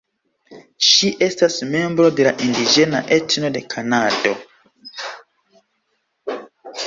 Ŝi estas membro de indiĝena etno de Kanado.